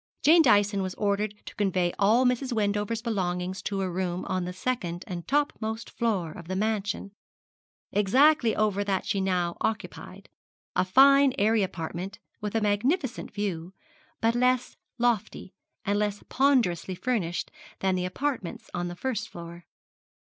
Jane Dyson was ordered to convey all Mrs. Wendover's belongings to a room on the second and topmost floor of the mansion, exactly over that she now occupied a fine airy apartment, with a magnificent view, but less lofty, and less ponderously furnished than the apartments of the first floor.